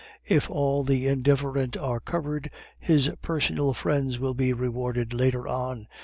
"'If all the indifferent are covered, his personal friends will be rewarded later on.